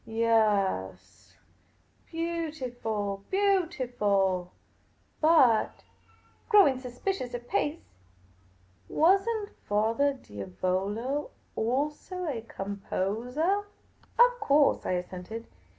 " Yaas, beautiful ; beautiful ! But —" growing suspicious apace, —" was n't Fra Diavolo also a composah ?''" Of course," I assented.